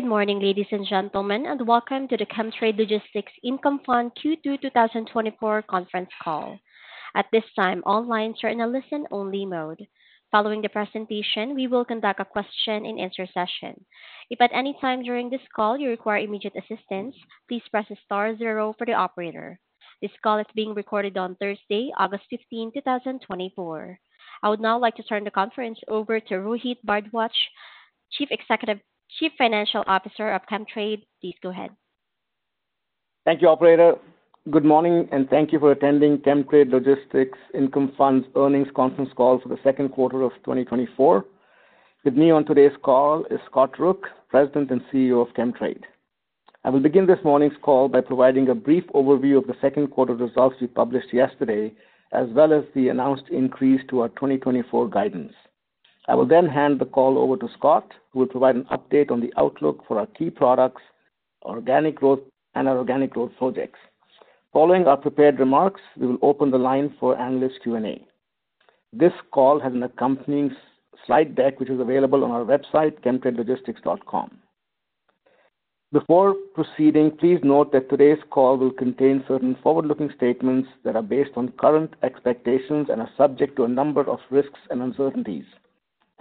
Good morning, ladies and gentlemen, and welcome to the Chemtrade Logistics Income Fund Q2 2024 conference call. At this time, all lines are in a listen-only mode. Following the presentation, we will conduct a question-and-answer session. If at any time during this call you require immediate assistance, please press star zero for the operator. This call is being recorded on Thursday, August fifteenth, two thousand and twenty-four. I would now like to turn the conference over to Rohit Bhardwaj, Chief Executive... Chief Financial Officer of Chemtrade. Please go ahead. Thank you, operator. Good morning, and thank you for attending Chemtrade Logistics Income Fund's earnings conference call for the second quarter of 2024. With me on today's call is Scott Rook, President and CEO of Chemtrade. I will begin this morning's call by providing a brief overview of the second quarter results we published yesterday, as well as the announced increase to our 2024 guidance. I will then hand the call over to Scott, who will provide an update on the outlook for our key products, organic growth, and our organic growth projects. Following our prepared remarks, we will open the line for analyst Q&A. This call has an accompanying slide deck, which is available on our website, chemtradelogistics.com. Before proceeding, please note that today's call will contain certain forward-looking statements that are based on current expectations and are subject to a number of risks and uncertainties.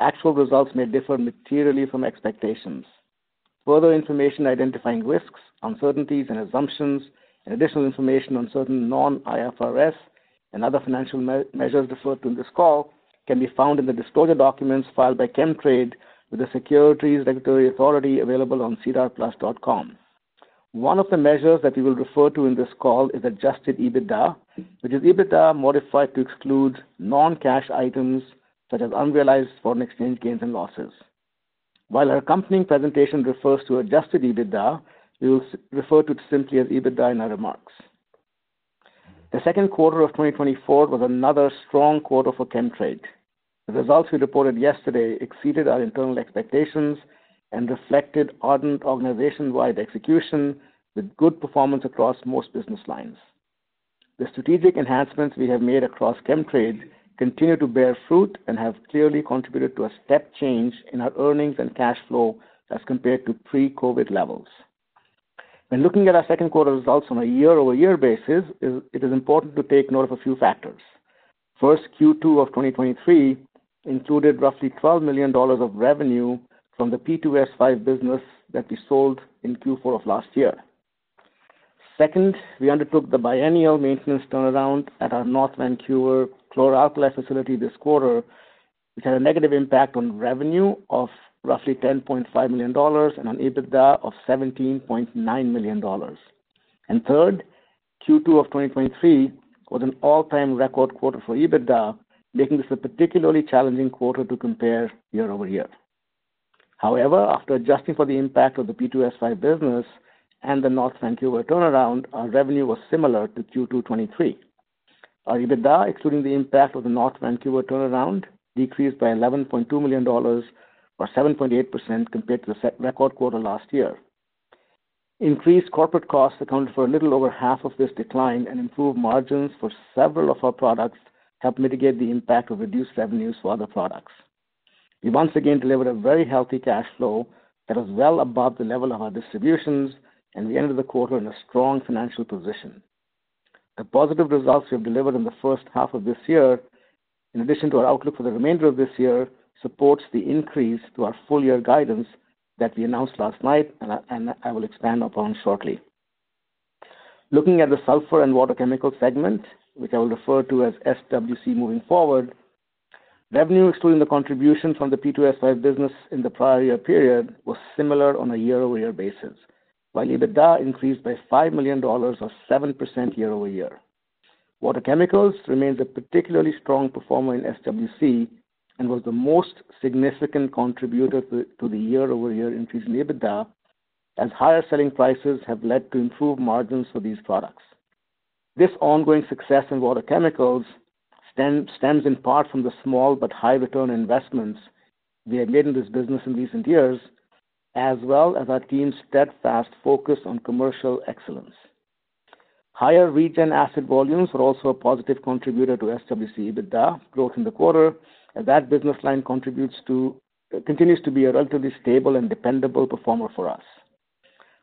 Actual results may differ materially from expectations. Further information identifying risks, uncertainties and assumptions, and additional information on certain non-IFRS and other financial measures referred to in this call can be found in the disclosure documents filed by Chemtrade with the Securities Regulatory Authority available on sedarplus.ca One of the measures that we will refer to in this call is adjusted EBITDA, which is EBITDA modified to exclude non-cash items such as unrealized foreign exchange gains and losses. While our accompanying presentation refers to adjusted EBITDA, we will refer to it simply as EBITDA in our remarks. The second quarter of 2024 was another strong quarter for Chemtrade. The results we reported yesterday exceeded our internal expectations and reflected ardent organization-wide execution with good performance across most business lines. The strategic enhancements we have made across Chemtrade continue to bear fruit and have clearly contributed to a step change in our earnings and cash flow as compared to pre-COVID levels. When looking at our second quarter results on a year-over-year basis, it is important to take note of a few factors. First, Q2 of 2023 included roughly 12 million dollars of revenue from the P2S5 business that we sold in Q4 of last year. Second, we undertook the biennial maintenance turnaround at our North Vancouver chlor-alkali facility this quarter, which had a negative impact on revenue of roughly 10.5 million dollars and an EBITDA of 17.9 million dollars. And third, Q2 of 2023 was an all-time record quarter for EBITDA, making this a particularly challenging quarter to compare year over year. However, after adjusting for the impact of the P2S5 business and the North Vancouver turnaround, our revenue was similar to Q2 2023. Our EBITDA, excluding the impact of the North Vancouver turnaround, decreased by 11.2 million dollars, or 7.8% compared to the said record quarter last year. Increased corporate costs accounted for a little over half of this decline, and improved margins for several of our products helped mitigate the impact of reduced revenues for other products. We once again delivered a very healthy cash flow that was well above the level of our distributions and the end of the quarter in a strong financial position. The positive results we have delivered in the first half of this year, in addition to our outlook for the remainder of this year, supports the increase to our full year guidance that we announced last night, and I will expand upon shortly. Looking at the sulfur and water chemical segment, which I will refer to as SWC moving forward, revenue excluding the contribution from the P2S5 business in the prior year period, was similar on a year-over-year basis, while EBITDA increased by 5 million dollars or 7% year-over-year. Water chemicals remains a particularly strong performer in SWC and was the most significant contributor to the year-over-year increase in EBITDA, as higher selling prices have led to improved margins for these products. This ongoing success in water chemicals stems in part from the small but high-return investments we have made in this business in recent years, as well as our team's steadfast focus on commercial excellence. Higher Regen acid volumes were also a positive contributor to SWC EBITDA growth in the quarter, and that business line continues to be a relatively stable and dependable performer for us.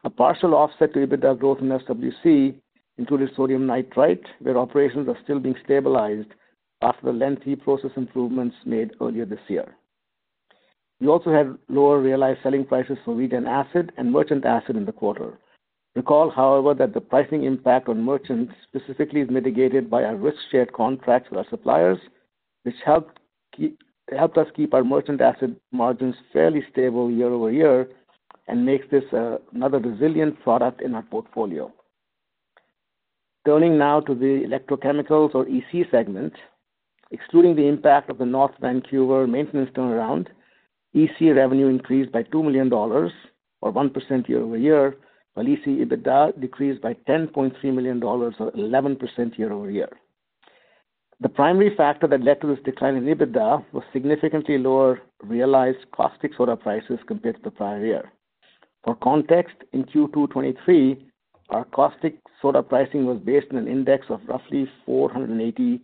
A partial offset to EBITDA growth in SWC included sodium nitrite, where operations are still being stabilized after the lengthy process improvements made earlier this year. We also had lower realized selling prices for Regen acid and merchant acid in the quarter. Recall, however, that the pricing impact on merchants specifically is mitigated by our risk-shared contracts with our suppliers, which helped us keep our merchant acid margins fairly stable year-over-year and makes this another resilient product in our portfolio. Turning now to the electrochemical or EC segment. Excluding the impact of the North Vancouver maintenance turnaround, EC revenue increased by $2 million or 1% year-over-year, while EC EBITDA decreased by $10.3 million or 11% year-over-year. The primary factor that led to this decline in EBITDA was significantly lower realized caustic soda prices compared to the prior year. For context, in Q2 2023, our caustic soda pricing was based on an index of roughly $480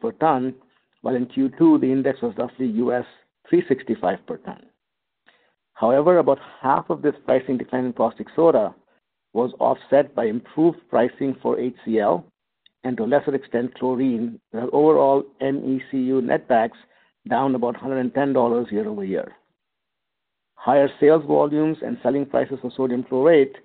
per ton, while in Q2, the index was roughly $365 per ton. However, about half of this pricing decline in caustic soda was offset by improved pricing for HCl and, to a lesser extent, chlorine, and our overall MECU netbacks down about 110 dollars year-over-year. Higher sales volumes and selling prices for sodium chlorate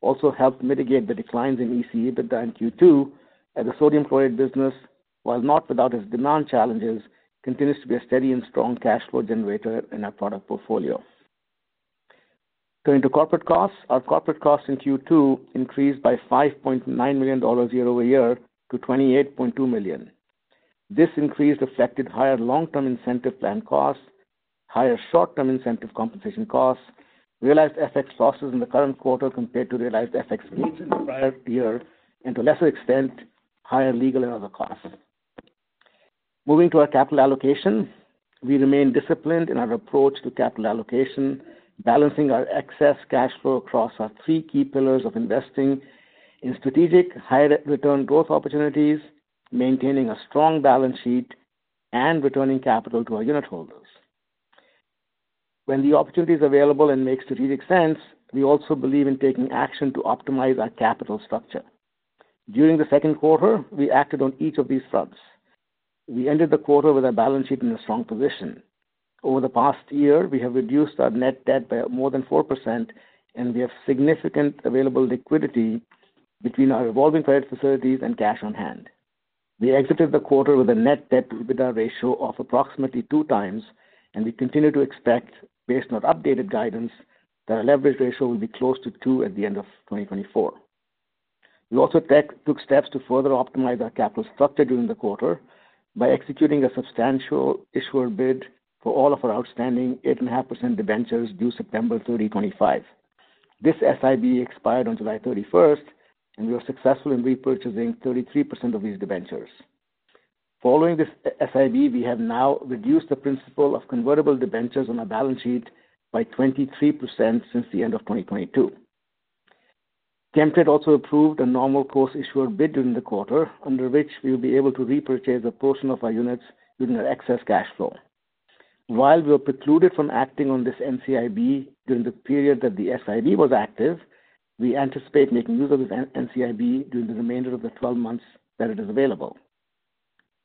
also helped mitigate the declines in EC EBITDA in Q2, as the sodium chlorate business, while not without its demand challenges, continues to be a steady and strong cash flow generator in our product portfolio. Turning to corporate costs. Our corporate costs in Q2 increased by 5.9 million dollars year-over-year to 28.2 million. This increase affected higher long-term incentive plan costs, higher short-term incentive compensation costs, realized FX losses in the current quarter compared to realized FX gains in the prior year, and to a lesser extent, higher legal and other costs. Moving to our capital allocation. We remain disciplined in our approach to capital allocation, balancing our excess cash flow across our three key pillars of investing in strategic high-return growth opportunities, maintaining a strong balance sheet, and returning capital to our unit holders. When the opportunity is available and makes strategic sense, we also believe in taking action to optimize our capital structure. During the second quarter, we acted on each of these fronts. We ended the quarter with our balance sheet in a strong position. Over the past year, we have reduced our net debt by more than 4%, and we have significant available liquidity between our revolving credit facilities and cash on hand. We exited the quarter with a net debt to EBITDA ratio of approximately 2 times, and we continue to expect, based on our updated guidance, that our leverage ratio will be close to 2 at the end of 2024. We also took steps to further optimize our capital structure during the quarter by executing a substantial issuer bid for all of our outstanding 8.5% debentures due September 30, 2025. This SIB expired on July 31, and we were successful in repurchasing 33% of these debentures. Following this SIB, we have now reduced the principal of convertible debentures on our balance sheet by 23% since the end of 2022. Chemtrade also approved a normal course issuer bid during the quarter, under which we will be able to repurchase a portion of our units using our excess cash flow. While we are precluded from acting on this NCIB during the period that the SIB was active, we anticipate making use of this NCIB during the remainder of the 12 months that it is available.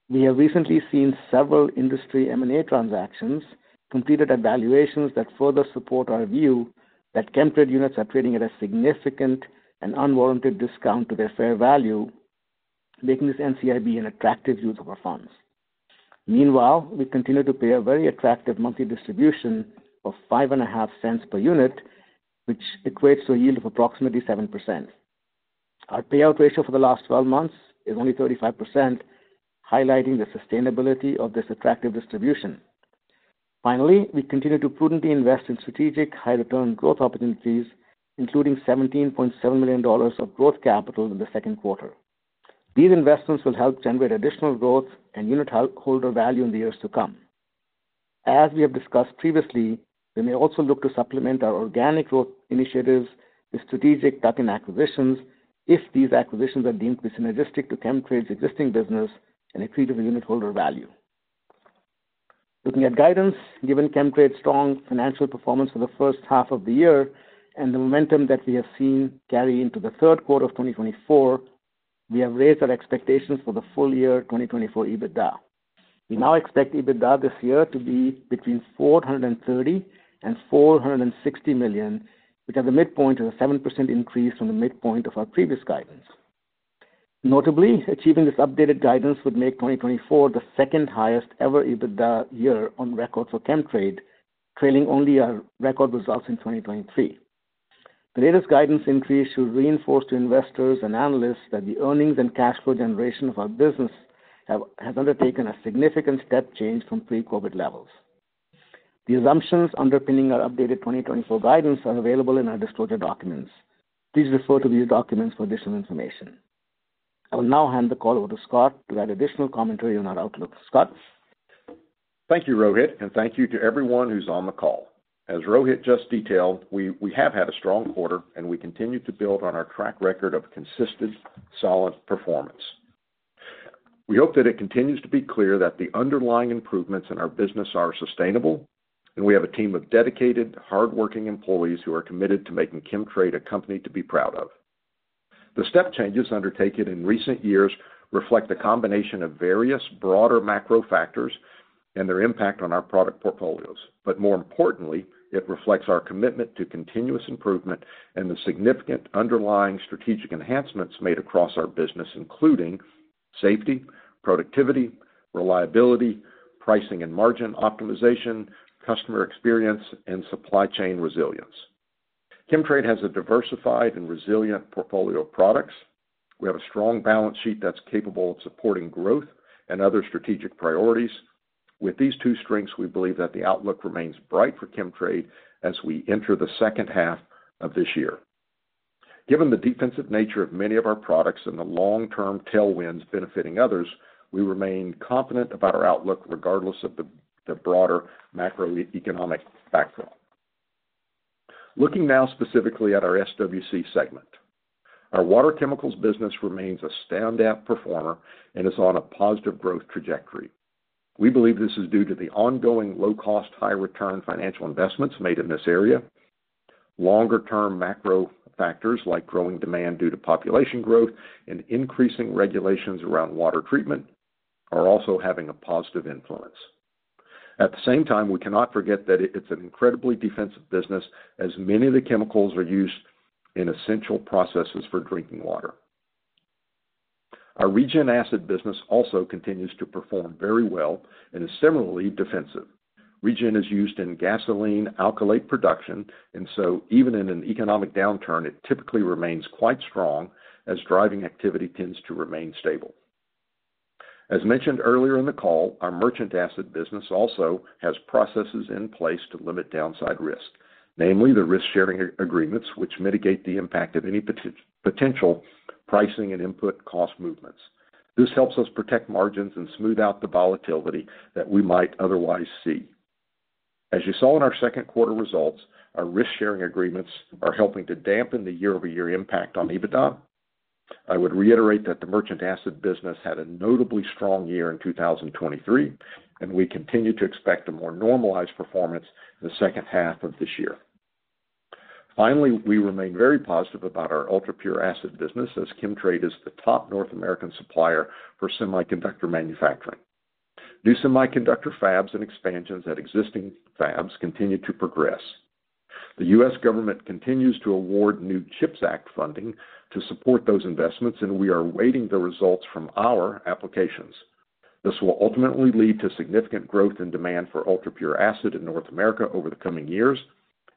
We have recently seen several industry M&A transactions completed at valuations that further support our view that Chemtrade units are trading at a significant and unwarranted discount to their fair value, making this NCIB an attractive use of our funds. Meanwhile, we continue to pay a very attractive monthly distribution of 0.055 per unit, which equates to a yield of approximately 7%. Our payout ratio for the last 12 months is only 35%, highlighting the sustainability of this attractive distribution. Finally, we continue to prudently invest in strategic high-return growth opportunities, including 17.7 million dollars of growth capital in the second quarter. These investments will help generate additional growth and unitholder value in the years to come. As we have discussed previously, we may also look to supplement our organic growth initiatives with strategic tuck-in acquisitions if these acquisitions are deemed synergistic to Chemtrade's existing business and accretive to unitholder value. Looking at guidance, given Chemtrade's strong financial performance for the first half of the year and the momentum that we have seen carry into the third quarter of 2024, we have raised our expectations for the full year 2024 EBITDA. We now expect EBITDA this year to be between 430 million and 460 million, which at the midpoint is a 7% increase from the midpoint of our previous guidance. Notably, achieving this updated guidance would make 2024 the second highest ever EBITDA year on record for Chemtrade, trailing only our record results in 2023. The latest guidance increase should reinforce to investors and analysts that the earnings and cash flow generation of our business has undertaken a significant step change from pre-COVID levels. The assumptions underpinning our updated 2024 guidance are available in our disclosure documents. Please refer to these documents for additional information. I will now hand the call over to Scott to add additional commentary on our outlook. Scott? Thank you, Rohit, and thank you to everyone who's on the call. As Rohit just detailed, we have had a strong quarter, and we continue to build on our track record of consistent, solid performance. We hope that it continues to be clear that the underlying improvements in our business are sustainable, and we have a team of dedicated, hardworking employees who are committed to making Chemtrade a company to be proud of. The step changes undertaken in recent years reflect a combination of various broader macro factors and their impact on our product portfolios. But more importantly, it reflects our commitment to continuous improvement and the significant underlying strategic enhancements made across our business, including safety, productivity, reliability, pricing and margin optimization, customer experience, and supply chain resilience. Chemtrade has a diversified and resilient portfolio of products. We have a strong balance sheet that's capable of supporting growth and other strategic priorities. With these two strengths, we believe that the outlook remains bright for Chemtrade as we enter the second half of this year. Given the defensive nature of many of our products and the long-term tailwinds benefiting others, we remain confident about our outlook, regardless of the broader macroeconomic backdrop.... Looking now specifically at our SWC segment. Our water chemicals business remains a standout performer and is on a positive growth trajectory. We believe this is due to the ongoing low-cost, high-return financial investments made in this area. Longer-term macro factors, like growing demand due to population growth and increasing regulations around water treatment, are also having a positive influence. At the same time, we cannot forget that it, it's an incredibly defensive business, as many of the chemicals are used in essential processes for drinking water. Our Regen acid business also continues to perform very well and is similarly defensive. Regen is used in gasoline alkylate production, and so even in an economic downturn, it typically remains quite strong as driving activity tends to remain stable. As mentioned earlier in the call, our merchant acid business also has processes in place to limit downside risk, namely the risk-sharing agreements, which mitigate the impact of any potential pricing and input cost movements. This helps us protect margins and smooth out the volatility that we might otherwise see. As you saw in our second quarter results, our risk-sharing agreements are helping to dampen the year-over-year impact on EBITDA. I would reiterate that the merchant acid business had a notably strong year in 2023, and we continue to expect a more normalized performance in the second half of this year. Finally, we remain very positive about our UltraPure acid business, as Chemtrade is the top North American supplier for semiconductor manufacturing. New semiconductor fabs and expansions at existing fabs continue to progress. The U.S. government continues to award new CHIPS Act funding to support those investments, and we are awaiting the results from our applications. This will ultimately lead to significant growth and demand for UltraPure acid in North America over the coming years,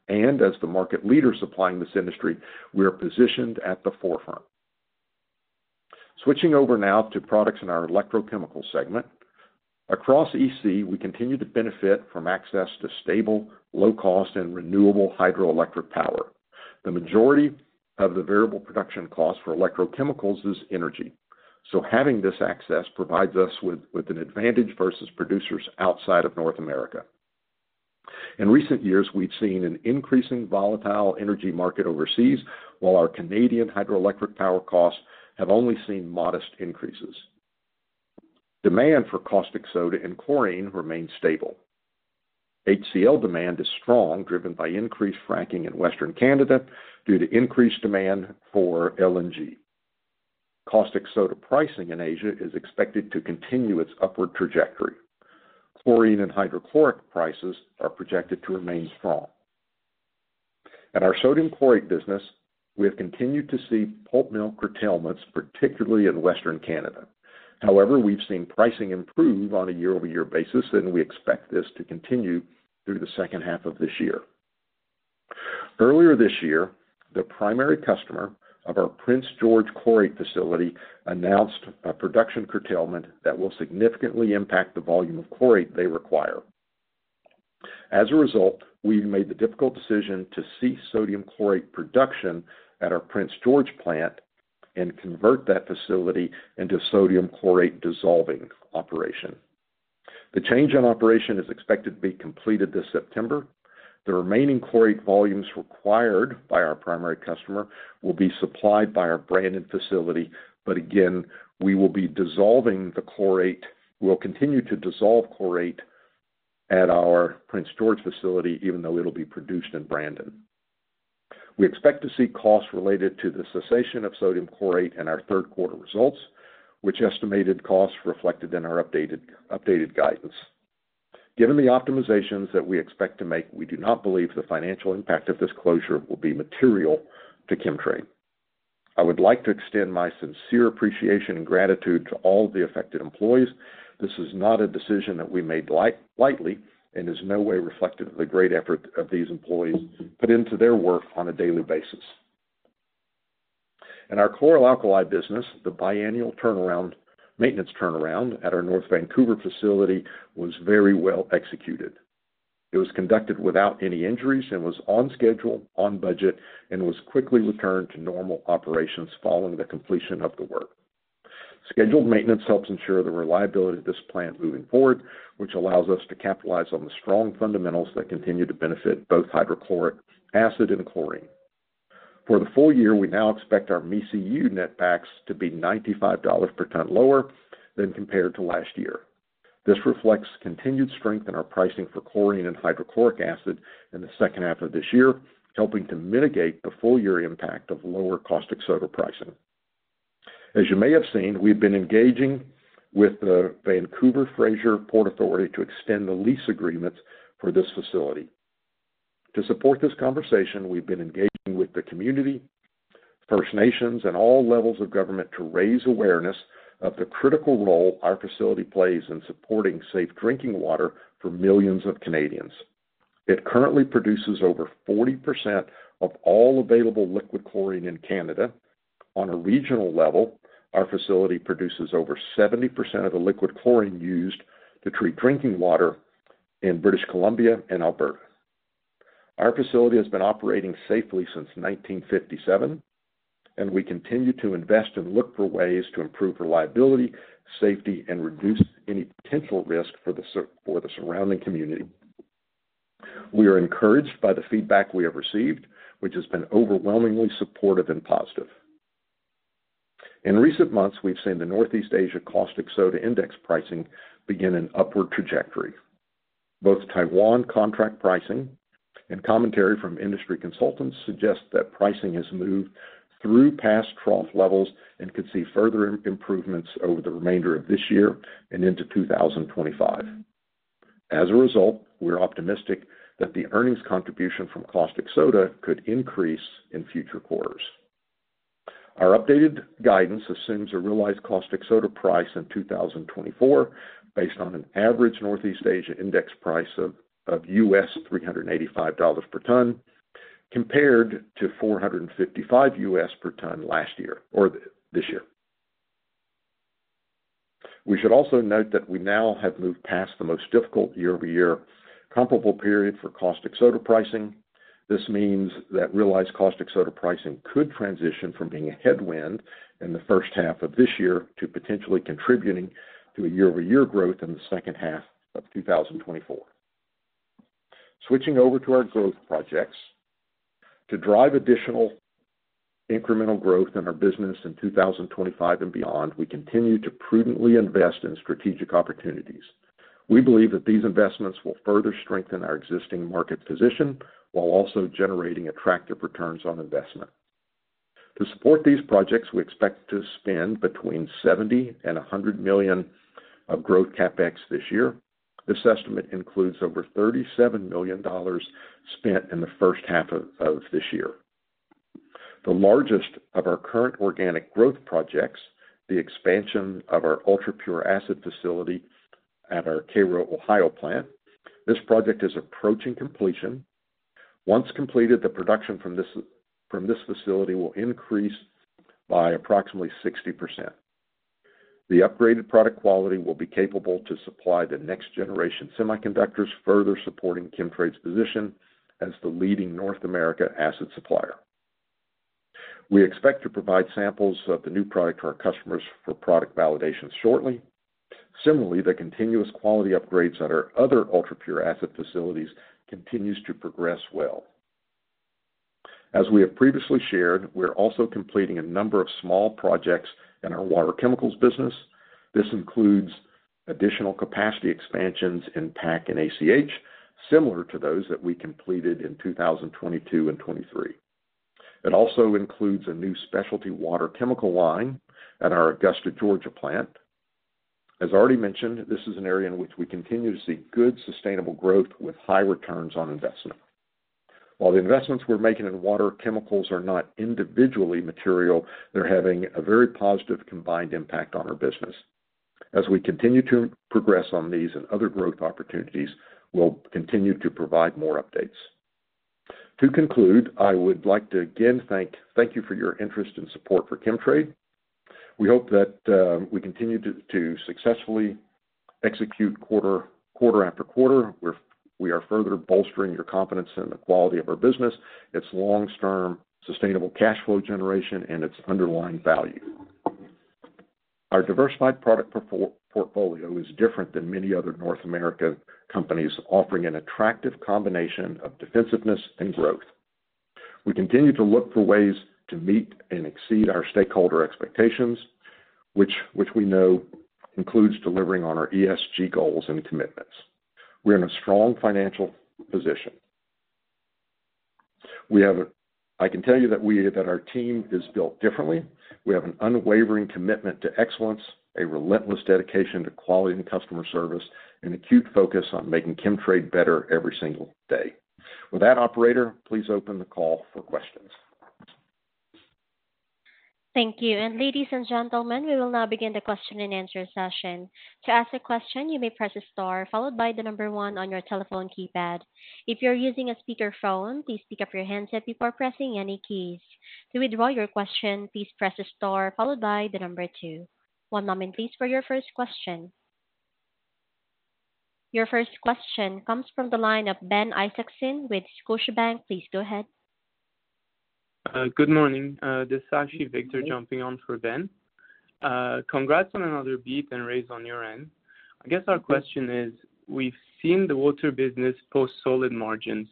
and as the market leader supplying this industry, we are positioned at the forefront. Switching over now to products in our electrochemical segment. Across EC, we continue to benefit from access to stable, low-cost, and renewable hydroelectric power. The majority of the variable production cost for electrochemicals is energy, so having this access provides us with an advantage versus producers outside of North America. In recent years, we've seen an increasing volatile energy market overseas, while our Canadian hydroelectric power costs have only seen modest increases. Demand for caustic soda and chlorine remains stable. HCl demand is strong, driven by increased fracking in Western Canada due to increased demand for LNG. Caustic soda pricing in Asia is expected to continue its upward trajectory. Chlorine and hydrochloric prices are projected to remain strong. At our sodium chlorate business, we have continued to see pulp mill curtailments, particularly in Western Canada. However, we've seen pricing improve on a year-over-year basis, and we expect this to continue through the second half of this year. Earlier this year, the primary customer of our Prince George chlorate facility announced a production curtailment that will significantly impact the volume of chlorate they require. As a result, we've made the difficult decision to cease sodium chlorate production at our Prince George plant and convert that facility into a sodium chlorate dissolving operation. The change in operation is expected to be completed this September. The remaining chlorate volumes required by our primary customer will be supplied by our Brandon facility, but again, we will be dissolving the chlorate, we'll continue to dissolve chlorate at our Prince George facility, even though it'll be produced in Brandon. We expect to see costs related to the cessation of sodium chlorate in our third quarter results, which estimated costs reflected in our updated guidance. Given the optimizations that we expect to make, we do not believe the financial impact of this closure will be material to Chemtrade. I would like to extend my sincere appreciation and gratitude to all the affected employees. This is not a decision that we made lightly and is in no way reflective of the great effort of these employees put into their work on a daily basis. In our chlor-alkali business, the biennial maintenance turnaround at our North Vancouver facility was very well executed. It was conducted without any injuries and was on schedule, on budget, and was quickly returned to normal operations following the completion of the work. Scheduled maintenance helps ensure the reliability of this plant moving forward, which allows us to capitalize on the strong fundamentals that continue to benefit both hydrochloric acid and chlorine. For the full year, we now expect our MECU netbacks to be 95 dollars per ton lower than compared to last year. This reflects continued strength in our pricing for chlorine and hydrochloric acid in the second half of this year, helping to mitigate the full year impact of lower caustic soda pricing. As you may have seen, we've been engaging with the Vancouver Fraser Port Authority to extend the lease agreement for this facility. To support this conversation, we've been engaging with the community, First Nations, and all levels of government to raise awareness of the critical role our facility plays in supporting safe drinking water for millions of Canadians. It currently produces over 40% of all available liquid chlorine in Canada. On a regional level, our facility produces over 70% of the liquid chlorine used to treat drinking water in British Columbia and Alberta. Our facility has been operating safely since 1957... and we continue to invest and look for ways to improve reliability, safety, and reduce any potential risk for the surrounding community. We are encouraged by the feedback we have received, which has been overwhelmingly supportive and positive. In recent months, we've seen the Northeast Asia caustic soda index pricing begin an upward trajectory. Both Taiwan contract pricing and commentary from industry consultants suggest that pricing has moved through past trough levels and could see further improvements over the remainder of this year and into 2025. As a result, we're optimistic that the earnings contribution from caustic soda could increase in future quarters. Our updated guidance assumes a realized caustic soda price in 2024, based on an average Northeast Asia index price of $385 per ton, compared to $455 per ton last year or this year. We should also note that we now have moved past the most difficult year-over-year comparable period for caustic soda pricing. This means that realized caustic soda pricing could transition from being a headwind in the first half of this year to potentially contributing to a year-over-year growth in the second half of 2024. Switching over to our growth projects. To drive additional incremental growth in our business in 2025 and beyond, we continue to prudently invest in strategic opportunities. We believe that these investments will further strengthen our existing market position while also generating attractive returns on investment. To support these projects, we expect to spend between 70 million and 100 million of growth CapEx this year. This estimate includes over 37 million dollars spent in the first half of this year. The largest of our current organic growth projects, the expansion of our ultrapure acid facility at our Cairo, Ohio plant. This project is approaching completion. Once completed, the production from this facility will increase by approximately 60%. The upgraded product quality will be capable to supply the next generation semiconductors, further supporting Chemtrade's position as the leading North America acid supplier. We expect to provide samples of the new product to our customers for product validation shortly. Similarly, the continuous quality upgrades at our other ultrapure acid facilities continues to progress well. As we have previously shared, we're also completing a number of small projects in our water chemicals business. This includes additional capacity expansions in PAC and ACH, similar to those that we completed in 2022 and 2023. It also includes a new specialty water chemical line at our Augusta, Georgia plant. As already mentioned, this is an area in which we continue to see good, sustainable growth with high returns on investment. While the investments we're making in water chemicals are not individually material, they're having a very positive combined impact on our business. As we continue to progress on these and other growth opportunities, we'll continue to provide more updates. To conclude, I would like to again thank you for your interest and support for Chemtrade. We hope that we continue to successfully execute quarter after quarter. We are further bolstering your confidence in the quality of our business, its long-term, sustainable cash flow generation, and its underlying value. Our diversified product portfolio is different than many other North American companies, offering an attractive combination of defensiveness and growth. We continue to look for ways to meet and exceed our stakeholder expectations, which we know includes delivering on our ESG goals and commitments. We're in a strong financial position. I can tell you that our team is built differently. We have an unwavering commitment to excellence, a relentless dedication to quality and customer service, and acute focus on making Chemtrade better every single day. With that, operator, please open the call for questions. Thank you. Ladies and gentlemen, we will now begin the question-and-answer session. To ask a question, you may press star, followed by the number one on your telephone keypad. If you're using a speakerphone, please pick up your handset before pressing any keys. To withdraw your question, please press star followed by the number two. One moment, please, for your first question. Your first question comes from the line of Ben Isaacson with Scotiabank. Please go ahead. Good morning, this is actually Victor jumping on for Ben. Congrats on another beat and raise on your end. I guess our question is: We've seen the water business post solid margins.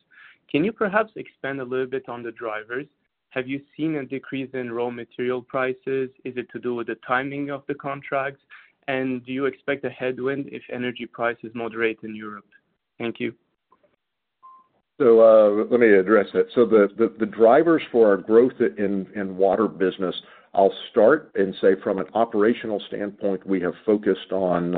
Can you perhaps expand a little bit on the drivers? Have you seen a decrease in raw material prices? Is it to do with the timing of the contracts? And do you expect a headwind if energy prices moderate in Europe? Thank you. So, let me address that. So the drivers for our growth in water business, I'll start and say, from an operational standpoint, we have focused on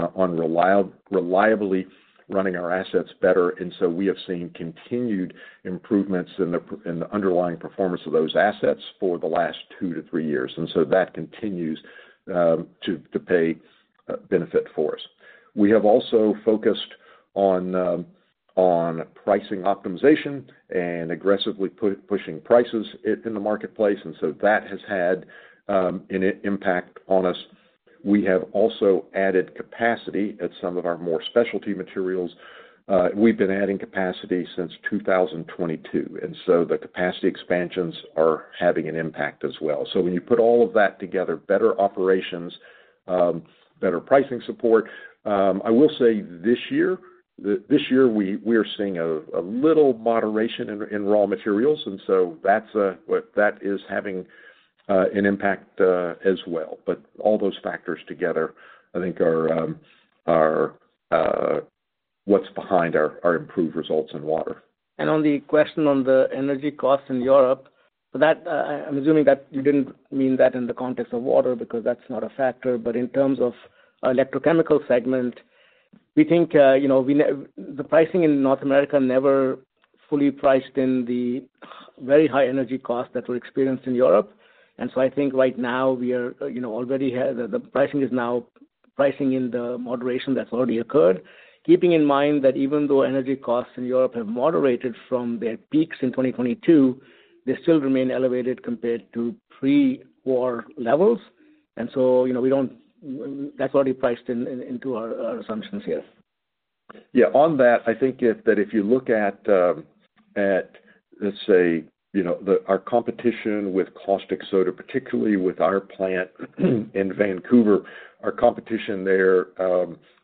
reliably running our assets better, and so we have seen continued improvements in the underlying performance of those assets for the last two to three years, and so that continues to pay benefit for us. We have also focused on pricing optimization and aggressively pushing prices in the marketplace, and so that has had an impact on us. We have also added capacity at some of our more specialty materials. We've been adding capacity since 2022, and so the capacity expansions are having an impact as well. So when you put all of that together, better operations, better pricing support. I will say this year, this year we are seeing a little moderation in raw materials, and so that's that is having an impact as well. But all those factors together, I think are what's behind our improved results in water. On the question on the energy costs in Europe, that, I'm assuming that you didn't mean that in the context of water, because that's not a factor. But in terms of electrochemical segment, we think, you know, the pricing in North America never fully priced in the very high energy costs that were experienced in Europe. So I think right now, we are, you know, already have the pricing is now pricing in the moderation that's already occurred. Keeping in mind that even though energy costs in Europe have moderated from their peaks in 2022, they still remain elevated compared to pre-war levels. So, you know, we don't -- that's already priced in, into our assumptions here. Yeah. On that, I think if you look at, let's say, you know, our competition with caustic soda, particularly with our plant in Vancouver, our competition there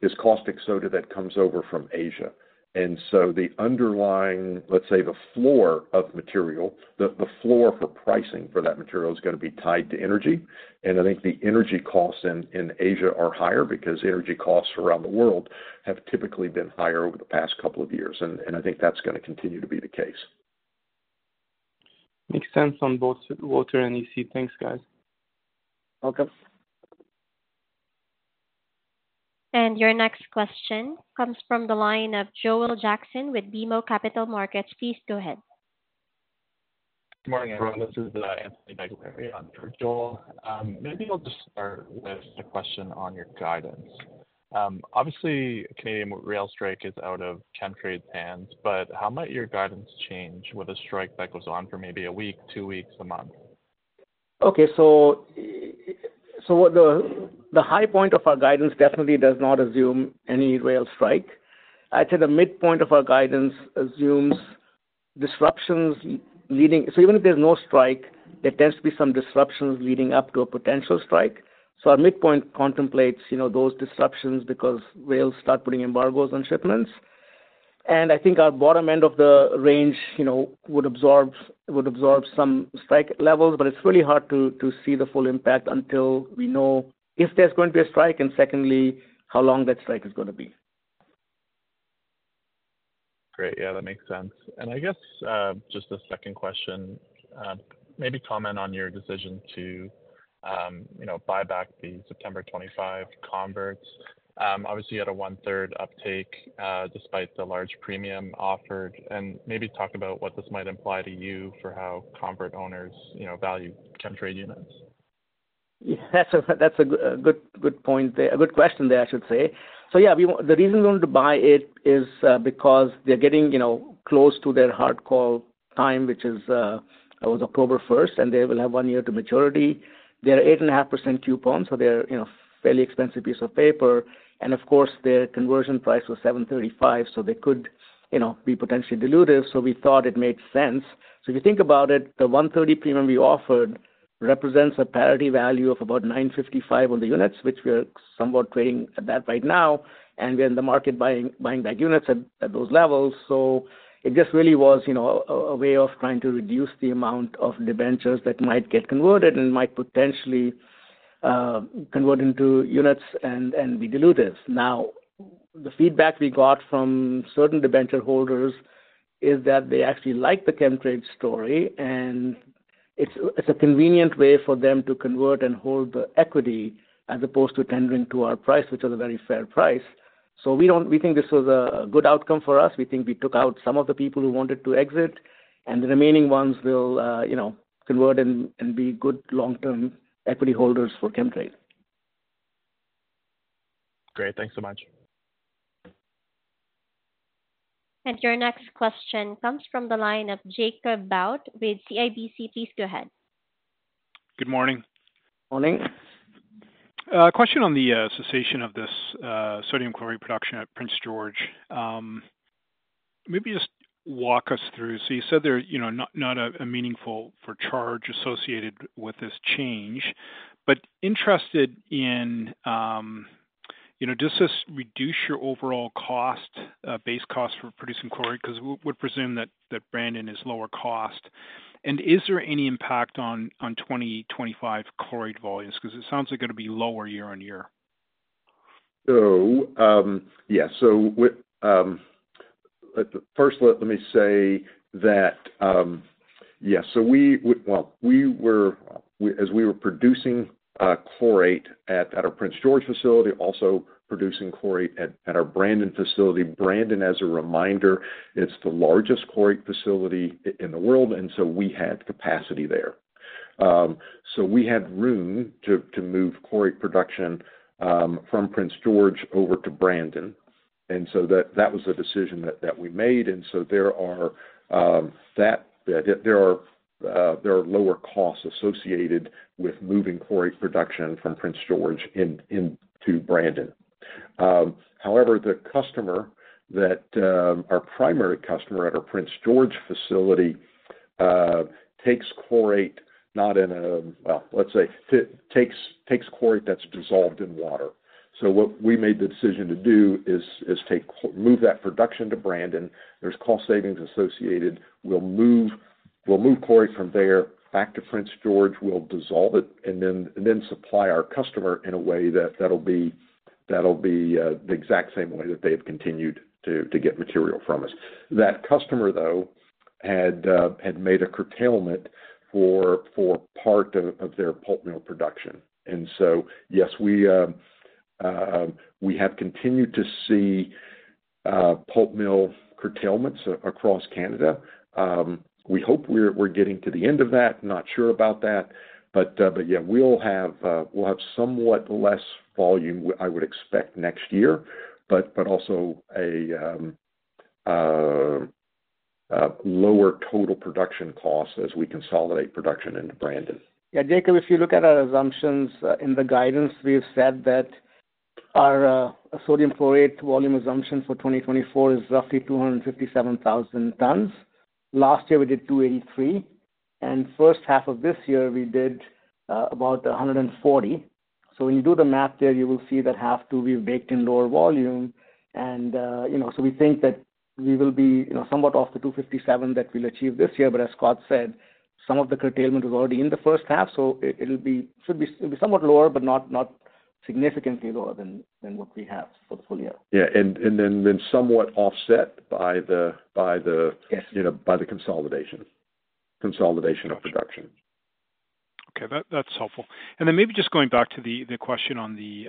is caustic soda that comes over from Asia. And so the underlying, let's say, the floor of material, the floor for pricing for that material is gonna be tied to energy. And I think the energy costs in Asia are higher because energy costs around the world have typically been higher over the past couple of years. And I think that's gonna continue to be the case. Makes sense on both water and EC. Thanks, guys. Welcome. Your next question comes from the line of Joel Jackson with BMO Capital Markets. Please go ahead. Good morning, everyone. This is Anthony Taglieri on for Joel Jackson. Maybe I'll just start with a question on your guidance. Obviously, Canadian rail strike is out of Chemtrade's hands, but how might your guidance change with a strike that goes on for maybe a week, two weeks, a month? Okay, so what the high point of our guidance definitely does not assume any rail strike. I'd say the midpoint of our guidance assumes disruptions leading up to a potential strike. So even if there's no strike, there tends to be some disruptions leading up to a potential strike. So our midpoint contemplates, you know, those disruptions because rails start putting embargoes on shipments. And I think our bottom end of the range, you know, would absorb some strike levels, but it's really hard to see the full impact until we know if there's going to be a strike, and secondly, how long that strike is gonna be. Great. Yeah, that makes sense. And I guess, just a second question. Maybe comment on your decision to, you know, buy back the September 25 converts. Obviously, you had a one-third uptake, despite the large premium offered, and maybe talk about what this might imply to you for how convert owners, you know, value Chemtrade units. Yeah, that's a good point there. A good question there, I should say. So yeah, we want the reason we want to buy it is because they're getting, you know, close to their hard call time, which is it was October first, and they will have one year to maturity. They're 8.5% coupon, so they're, you know, fairly expensive piece of paper. And of course, their conversion price was 7.35, so they could, you know, be potentially dilutive, so we thought it made sense. So if you think about it, the 1.30 premium we offered represents a parity value of about 9.55 on the units, which we are somewhat trading at that right now, and we're in the market buying back units at those levels. So it just really was, you know, a way of trying to reduce the amount of debentures that might get converted and might potentially convert into units and be dilutive. Now, the feedback we got from certain debenture holders is that they actually like the Chemtrade story, and it's a convenient way for them to convert and hold the equity as opposed to tendering to our price, which is a very fair price. So we don't -- we think this was a good outcome for us. We think we took out some of the people who wanted to exit, and the remaining ones will, you know, convert and be good long-term equity holders for Chemtrade. Great. Thanks so much. Your next question comes from the line of Jacob Bout with CIBC. Please go ahead. Good morning. Morning. A question on the cessation of this sodium chlorate production at Prince George. Maybe just walk us through. So you said there, you know, not a meaningful charge associated with this change, but interested in, you know, does this reduce your overall cost base for producing chlorate? Because we would presume that Brandon is lower cost. And is there any impact on 2025 chlorate volumes? Because it sounds like it's gonna be lower year-on-year. Yeah. First, let me say that, yeah, so we were producing chlorate at our Prince George facility, also producing chlorate at our Brandon facility. Brandon, as a reminder, it's the largest chlorate facility in the world, and so we had capacity there. So we had room to move chlorate production from Prince George over to Brandon. And so that was the decision that we made. And so there are lower costs associated with moving chlorate production from Prince George into Brandon. However, our primary customer at our Prince George facility takes chlorate not in a, well, let's say, it takes chlorate that's dissolved in water. So what we made the decision to do is take move that production to Brandon. There's cost savings associated. We'll move chlorate from there back to Prince George. We'll dissolve it and then supply our customer in a way that'll be the exact same way that they've continued to get material from us. That customer, though, had made a curtailment for part of their pulp mill production. And so, yes, we have continued to see pulp mill curtailments across Canada. We hope we're getting to the end of that. Not sure about that. But yeah, we'll have somewhat less volume I would expect next year, but also a lower total production cost as we consolidate production into Brandon. Yeah, Jacob, if you look at our assumptions in the guidance, we have said that our sodium chlorate volume assumption for 2024 is roughly 257,000 tons. Last year, we did 283, and first half of this year, we did about 140. So when you do the math there, you will see that have to be baked in lower volume. And you know, so we think that we will be, you know, somewhat off the 257 that we'll achieve this year. But as Scott said, some of the curtailment is already in the first half, so it, it'll be, should be, it'll be somewhat lower, but not, not significantly lower than, than what we have for the full year. Yeah. And then somewhat offset by the- Yes... you know, by the consolidation of production. Okay, that, that's helpful. And then maybe just going back to the question on the,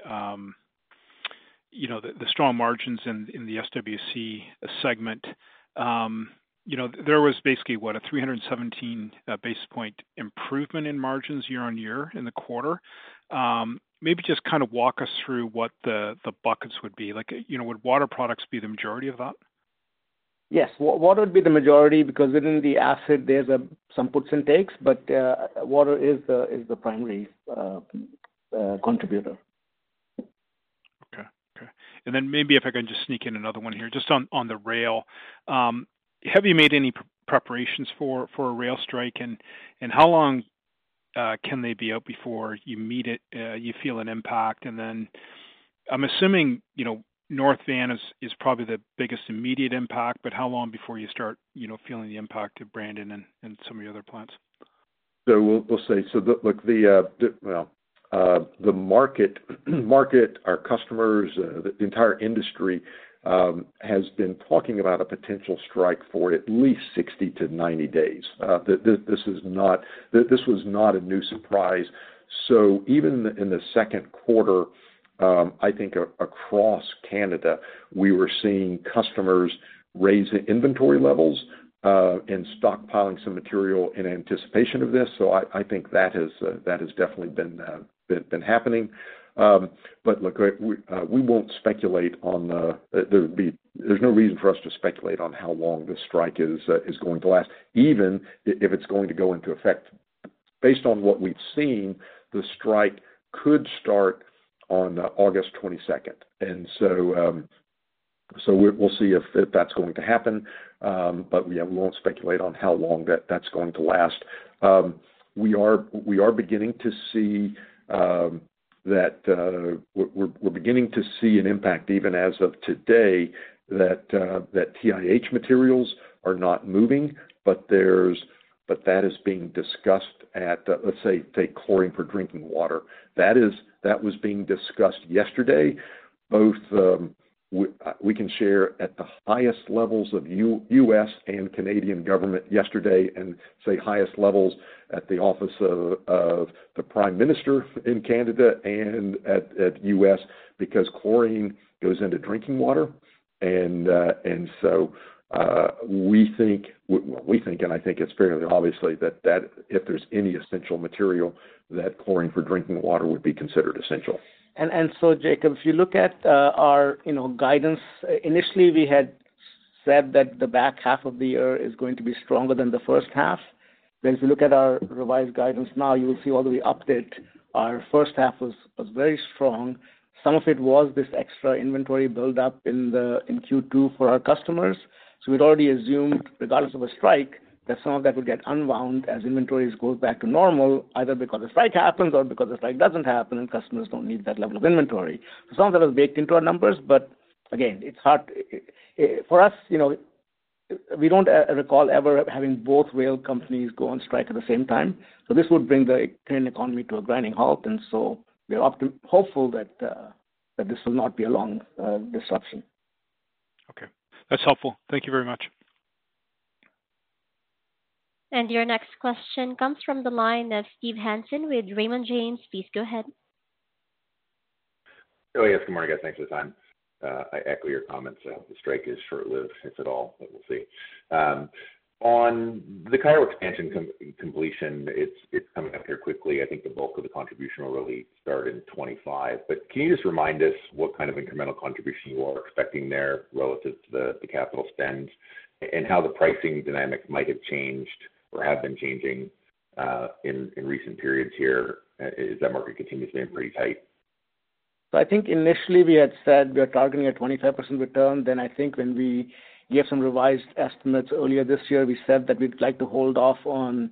you know, the strong margins in the SWC segment. You know, there was basically, what, a 317 basis point improvement in margins year-over-year in the quarter. Maybe just kind of walk us through what the buckets would be like. You know, would water products be the majority of that? Yes. Water would be the majority, because within the acid, there's some puts and takes, but water is the primary contributor. Okay. Okay. And then maybe if I can just sneak in another one here, just on the rail. Have you made any preparations for a rail strike? And how long can they be out before you feel an impact? And then I'm assuming, you know, North Van is probably the biggest immediate impact, but how long before you start, you know, feeling the impact of Brandon and some of your other plants? So we'll say, look, the market, our customers, the entire industry has been talking about a potential strike for at least 60-90 days. This is not, this was not a new surprise. So even in the second quarter, I think across Canada, we were seeing customers raise the inventory levels and stockpiling some material in anticipation of this. So I think that has definitely been happening. But look, we won't speculate on, there'd be, there's no reason for us to speculate on how long this strike is going to last, even if it's going to go into effect. Based on what we've seen, the strike could start on August 22nd. We'll see if that's going to happen. But we won't speculate on how long that's going to last. We are beginning to see that we're beginning to see an impact even as of today, that TIH materials are not moving, but that is being discussed at, let's say, take chlorine for drinking water. That is, that was being discussed yesterday, both, we can share at the highest levels of U.S. and Canadian government yesterday, and, say, highest levels at the office of the Prime Minister in Canada and at U.S., because chlorine goes into drinking water. And so, we think, and I think it's fairly obvious that if there's any essential material, chlorine for drinking water would be considered essential. So, Jacob, if you look at our guidance, initially, we had said that the back half of the year is going to be stronger than the first half. But if you look at our revised guidance now, you will see although we update, our first half was very strong. Some of it was this extra inventory buildup in Q2 for our customers. So we'd already assumed, regardless of a strike, that some of that would get unwound as inventories go back to normal, either because a strike happens or because a strike doesn't happen and customers don't need that level of inventory. So some of that was baked into our numbers, but again, it's hard for us, you know, we don't recall ever having both rail companies go on strike at the same time. So this would bring the Canadian economy to a grinding halt, and so we're hopeful that, that this will not be a long, disruption. Okay. That's helpful. Thank you very much. Your next question comes from the line of Steve Hansen with Raymond James. Please go ahead.... Oh, yes. Good morning, guys. Thanks for the time. I echo your comments. The strike is short-lived, if at all, but we'll see. On the Cairo expansion completion, it's coming up here quickly. I think the bulk of the contribution will really start in 2025. But can you just remind us what kind of incremental contribution you all are expecting there relative to the capital spend, and how the pricing dynamic might have changed or have been changing, in recent periods here, as that market continues to stay pretty tight? So I think initially we had said we are targeting a 25% return. Then I think when we gave some revised estimates earlier this year, we said that we'd like to hold off on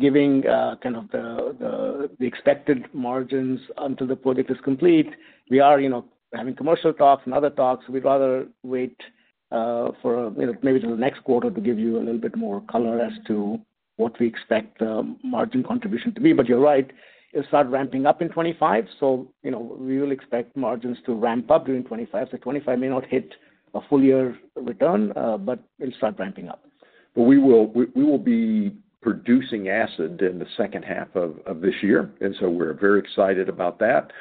giving kind of the expected margins until the project is complete. We are, you know, having commercial talks and other talks. We'd rather wait for, you know, maybe till the next quarter to give you a little bit more color as to what we expect the margin contribution to be. But you're right, it'll start ramping up in 2025, so, you know, we will expect margins to ramp up during 2025. So 2025 may not hit a full year return, but it'll start ramping up. But we will be producing acid in the second half of this year, and so we're very excited about that.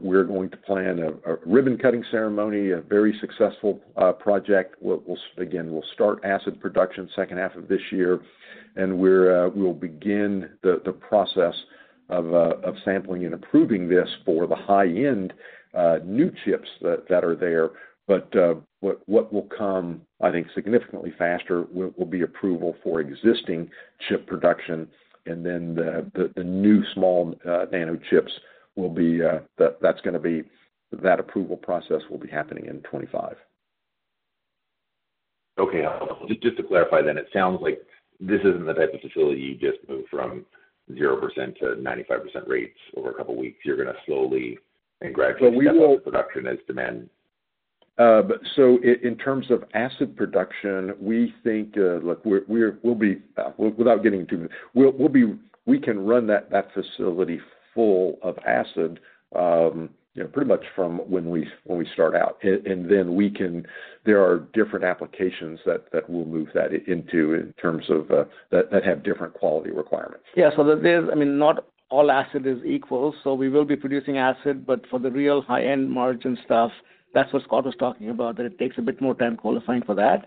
We're going to plan a ribbon-cutting ceremony, a very successful project. Again, we'll start acid production second half of this year, and we'll begin the process of sampling and approving this for the high-end new chips that are there. But what will come, I think, significantly faster will be approval for existing chip production, and then the new small nano chips will be, that's gonna be—that approval process will be happening in 2025. Okay. Just, just to clarify then, it sounds like this isn't the type of facility you just move from 0% to 95% rates over a couple of weeks. You're gonna slowly and gradually- So we will- Step up the production as demand. But in terms of acid production, we think, look, we're, we're—we'll be, without getting into... We'll, we'll be—we can run that, that facility full of acid, you know, pretty much from when we, when we start out. And then we can—there are different applications that, that we'll move that into in terms of, that, that have different quality requirements. Yeah. So there's, I mean, not all acid is equal, so we will be producing acid, but for the real high-end margin stuff, that's what Scott was talking about, that it takes a bit more time qualifying for that.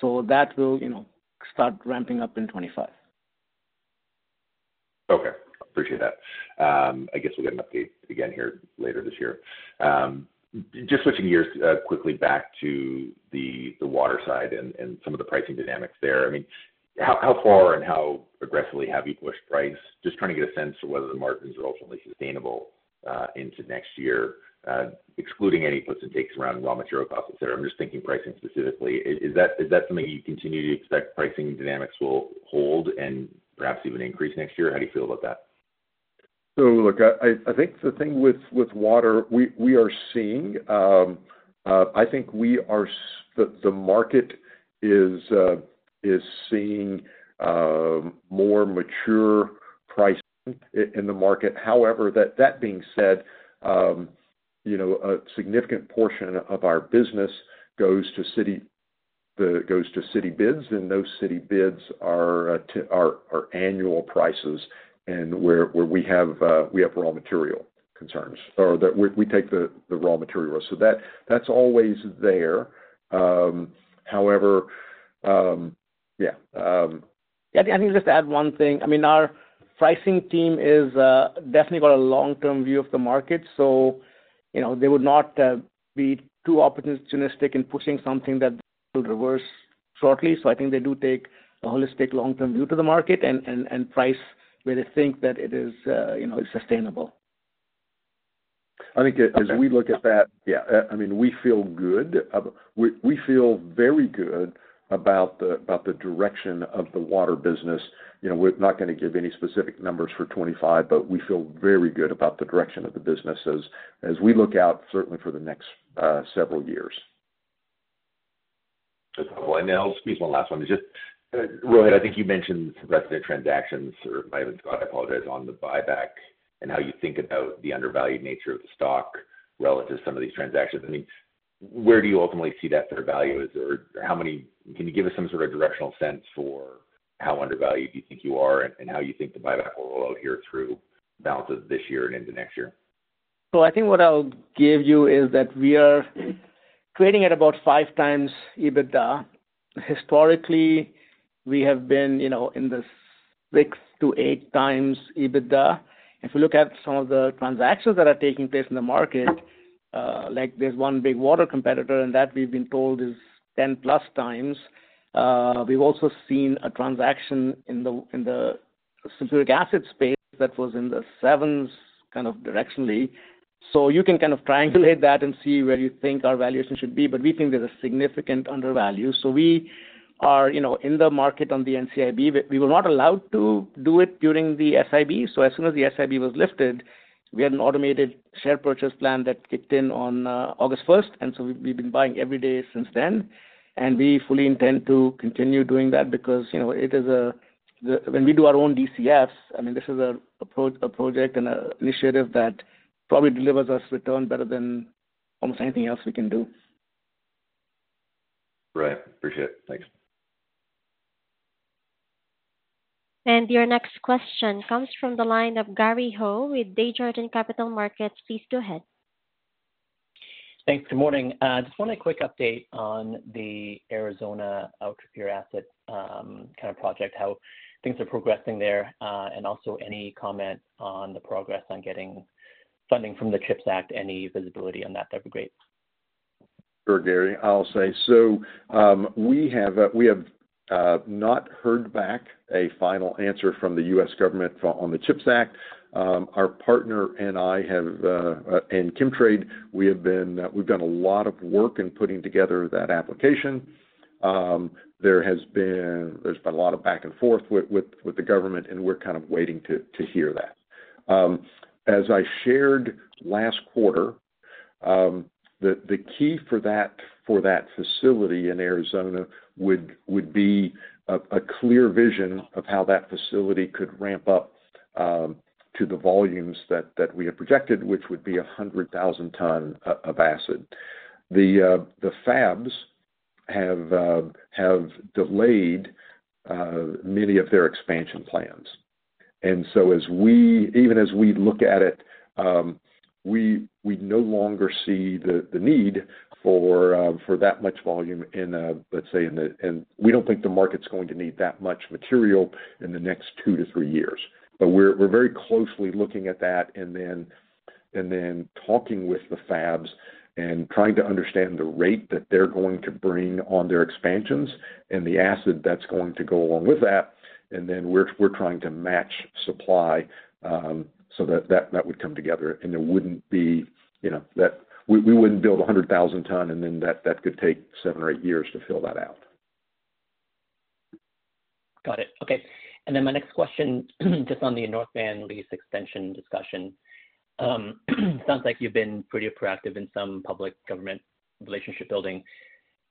So that will, you know, start ramping up in 2025. Okay, appreciate that. I guess we'll get an update again here later this year. Just switching gears, quickly back to the water side and some of the pricing dynamics there. I mean, how far and how aggressively have you pushed price? Just trying to get a sense of whether the margins are ultimately sustainable into next year, excluding any puts and takes around raw material costs, et cetera. I'm just thinking pricing specifically. Is that something you continue to expect pricing dynamics will hold and perhaps even increase next year? How do you feel about that? So look, I think the thing with water, we are seeing. I think the market is seeing more mature pricing in the market. However, that being said, you know, a significant portion of our business goes to city bids, and those city bids are annual prices, and where we have raw material concerns, or we take the raw material risk. So that's always there. However, Yeah, I think just to add one thing. I mean, our pricing team is definitely got a long-term view of the market, so you know, they would not be too opportunistic in pushing something that will reverse shortly. So I think they do take a holistic, long-term view to the market and price where they think that it is, you know, sustainable. I think as we look at that- Okay. Yeah, I mean, we feel good. We feel very good about the direction of the water business. You know, we're not gonna give any specific numbers for 2025, but we feel very good about the direction of the business as we look out certainly for the next several years. Just one... And then I'll squeeze one last one. It's just, Rohit, I think you mentioned the rest of the transactions, or maybe Scott, I apologize, on the buyback and how you think about the undervalued nature of the stock relative to some of these transactions. I mean, where do you ultimately see that fair value is? Or how many -- can you give us some sort of directional sense for how undervalued you think you are and how you think the buyback will roll out here through balances this year and into next year? So I think what I'll give you is that we are trading at about 5x EBITDA. Historically, we have been, you know, in the 6x-8x EBITDA. If you look at some of the transactions that are taking place in the market, like there's one big water competitor, and that we've been told, is 10x+. We've also seen a transaction in the, in the sulfuric acid space that was in the 7s, kind of directionally. So you can kind of triangulate that and see where you think our valuation should be, but we think there's a significant undervalue. So we are, you know, in the market on the NCIB. We, we were not allowed to do it during the SIB. So as soon as the SIB was lifted, we had an automated share purchase plan that kicked in on August first, and so we've been buying every day since then. And we fully intend to continue doing that because, you know, it is the—when we do our own DCFs, I mean, this is a project and a initiative that probably delivers us return better than almost anything else we can do. Right. Appreciate it. Thanks. ... Your next question comes from the line of Gary Ho with Desjardins Capital Markets. Please go ahead. Thanks. Good morning. Just wanted a quick update on the Arizona ultrapure asset, kind of project, how things are progressing there, and also any comment on the progress on getting funding from the CHIPS Act, any visibility on that, that'd be great. Sure, Gary, I'll say. So, we have not heard back a final answer from the U.S. government on the CHIPS Act. Our partner and I have, and Chemtrade, we have been, we've done a lot of work in putting together that application. There has been. There's been a lot of back and forth with the government, and we're kind of waiting to hear that. As I shared last quarter, the key for that facility in Arizona would be a clear vision of how that facility could ramp up to the volumes that we had projected, which would be 100,000 tons of acid. The fabs have delayed many of their expansion plans. And so as we even as we look at it, we, we no longer see the, the need for, for that much volume in, let's say, in and we don't think the market's going to need that much material in the next 2-3 years. But we're, we're very closely looking at that, and then, and then talking with the fabs and trying to understand the rate that they're going to bring on their expansions and the acid that's going to go along with that. And then we're, we're trying to match supply, so that, that, that would come together, and there wouldn't be, you know, that. We, we wouldn't build a 100,000-ton, and then that, that could take 7 or 8 years to fill that out. Got it. Okay. And then my next question, just on the North Van lease extension discussion. Sounds like you've been pretty proactive in some public government relationship building.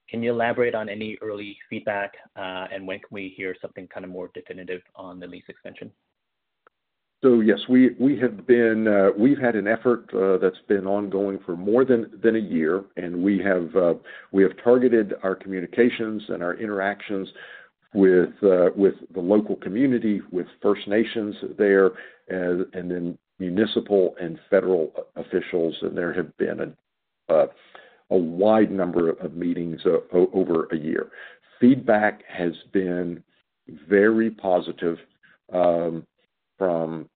Can you elaborate on any early feedback, and when can we hear something kind of more definitive on the lease extension? So yes, we have been, we've had an effort that's been ongoing for more than a year, and we have targeted our communications and our interactions with the local community, with First Nations there, and then municipal and federal officials, and there have been a wide number of meetings over a year. Feedback has been very positive from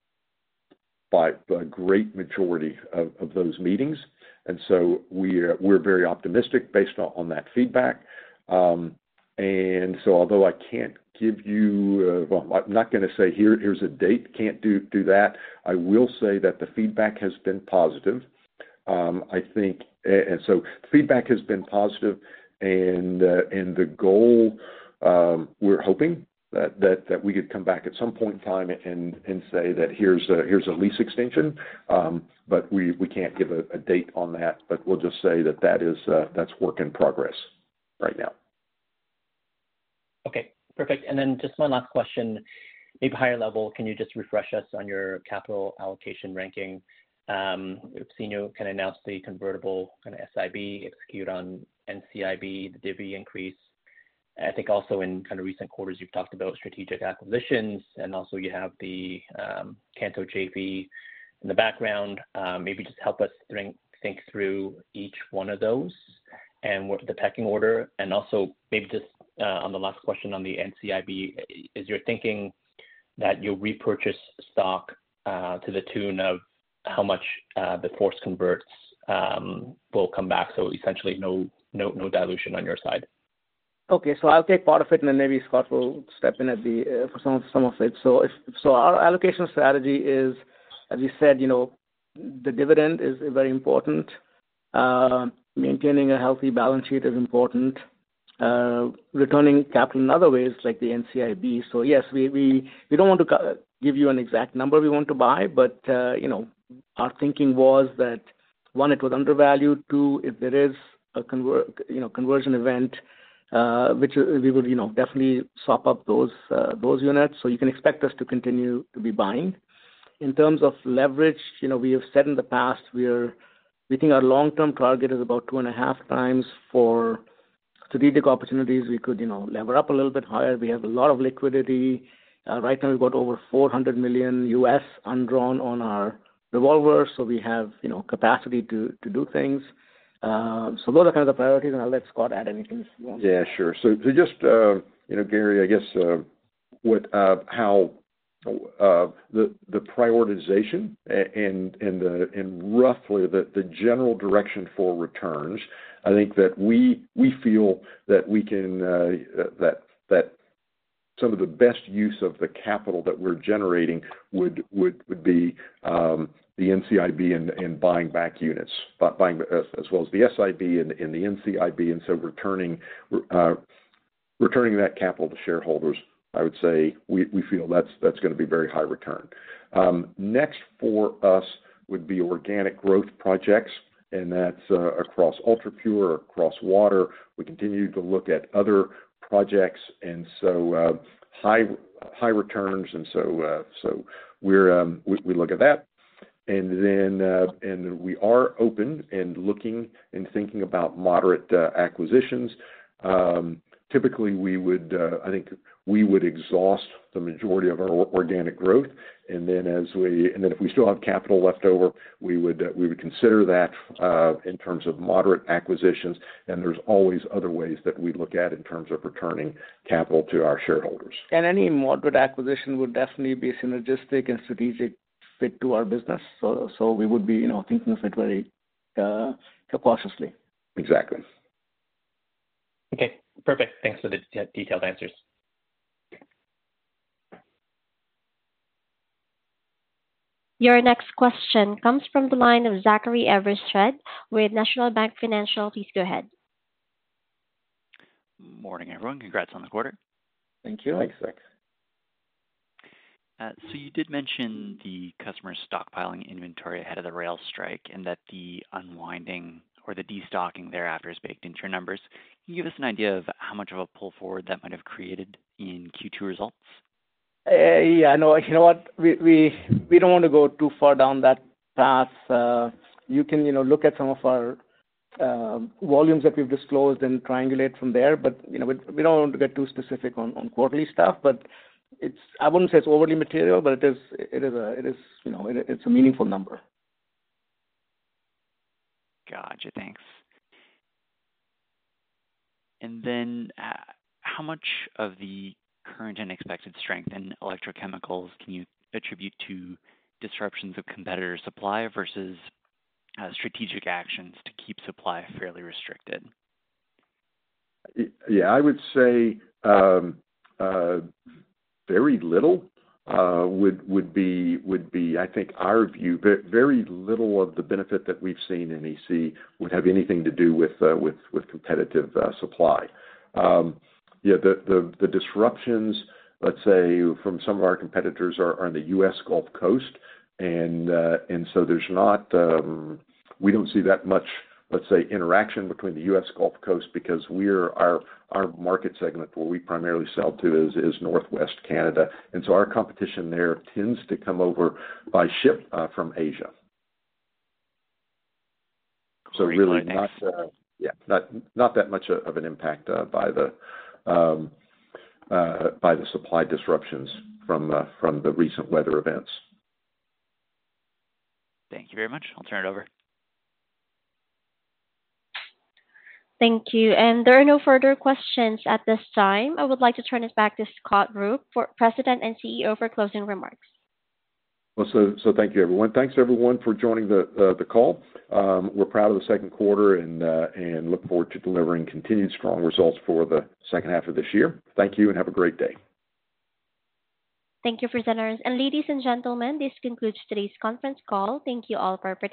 by a great majority of those meetings, and so we're very optimistic based on that feedback. And so although I can't give you... Well, I'm not gonna say, "Here, here's a date," can't do that. I will say that the feedback has been positive. I think and so feedback has been positive, and the goal, we're hoping that we could come back at some point in time and say that, "Here's a lease extension," but we can't give a date on that. But we'll just say that is work in progress right now. Okay, perfect. And then just one last question, maybe higher level. Can you just refresh us on your capital allocation ranking? We've seen you kind of announce the convertible kind of SIB, execute on NCIB, the divvy increase. I think also in kind of recent quarters, you've talked about strategic acquisitions, and also you have the Kanto JV in the background. Maybe just help us think, think through each one of those and what the pecking order. And also, maybe just, on the last question on the NCIB, is you're thinking that you'll repurchase stock, to the tune of how much, the forced converts, will come back, so essentially no, no, no dilution on your side? Okay, so I'll take part of it, and then maybe Scott will step in at the for some of, some of it. So our allocation strategy is, as you said, you know, the dividend is very important. Maintaining a healthy balance sheet is important. Returning capital in other ways, like the NCIB. So yes, we don't want to give you an exact number we want to buy, but, you know, our thinking was that, one, it was undervalued. Two, if there is a conversion event, which we would, you know, definitely sop up those units. So you can expect us to continue to be buying. In terms of leverage, you know, we have said in the past, we think our long-term target is about two and a half times for strategic opportunities. We could, you know, lever up a little bit higher. We have a lot of liquidity. Right now, we've got over $400 million undrawn on our revolver, so we have, you know, capacity to do things. So those are kind of the priorities, and I'll let Scott add anything he wants. Yeah, sure. So, just, you know, Gary, I guess, with the prioritization and roughly the general direction for returns, I think that we feel that we can, that some of the best use of the capital that we're generating would be the NCIB and buying back units, buying as well as the SIB and the NCIB, and so returning that capital to shareholders, I would say we feel that's gonna be very high return. Next for us would be organic growth projects, and that's across Ultrapure, across water. We continue to look at other projects and so high returns, and so we're, we look at that. We are open and looking and thinking about moderate acquisitions. Typically, we would, I think we would exhaust the majority of our organic growth, and then if we still have capital left over, we would, we would consider that in terms of moderate acquisitions, and there's always other ways that we look at in terms of returning capital to our shareholders. Any moderate acquisition would definitely be synergistic and strategic fit to our business, so we would be, you know, thinking of it very cautiously. Exactly. Okay, perfect. Thanks for the detailed answers. Your next question comes from the line of Zachary Evershed with National Bank Financial. Please go ahead. Morning, everyone. Congrats on the quarter. Thank you. Thanks, Zach. You did mention the customer stockpiling inventory ahead of the rail strike, and that the unwinding or the destocking thereafter is baked into your numbers. Can you give us an idea of how much of a pull forward that might have created in Q2 results? Yeah, no, you know what? We don't want to go too far down that path. You can, you know, look at some of our volumes that we've disclosed and triangulate from there, but, you know, we don't want to get too specific on quarterly stuff. But it's... I wouldn't say it's overly material, but it is a meaningful number. Gotcha, thanks. And then, how much of the current and expected strength in electrochemicals can you attribute to disruptions of competitor supply versus, strategic actions to keep supply fairly restricted? Yeah, I would say very little would be, I think, our view. Very little of the benefit that we've seen in EC would have anything to do with competitive supply. Yeah, the disruptions, let's say, from some of our competitors are in the U.S. Gulf Coast, and so there's not, we don't see that much, let's say, interaction between the U.S. Gulf Coast because our market segment, where we primarily sell to, is Northwest Canada. And so our competition there tends to come over by ship from Asia. Great. So really not, yeah, not that much of an impact by the supply disruptions from the recent weather events. Thank you very much. I'll turn it over. Thank you. There are no further questions at this time. I would like to turn us back to Scott Rook, President and CEO, for closing remarks. Well, so thank you, everyone. Thanks, everyone, for joining the call. We're proud of the second quarter and look forward to delivering continued strong results for the second half of this year. Thank you, and have a great day. Thank you, presenters, and ladies and gentlemen, this concludes today's conference call. Thank you all for participating.